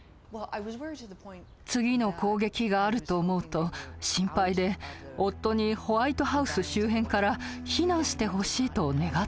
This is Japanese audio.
次の攻撃があると思うと心配で夫にホワイトハウス周辺から避難してほしいと願っていました。